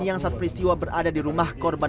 yang saat peristiwa berada di rumah korban